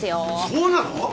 そうなの！？